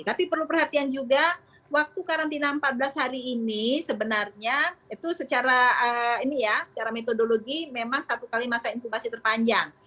tapi perlu perhatian juga waktu karantina empat belas hari ini sebenarnya itu secara ini ya secara metodologi memang satu kali masa inkubasi terpanjang